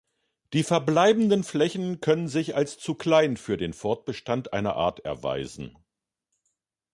Die verbleibenden Flächen können sich als zu klein für den Fortbestand einer Art erweisen.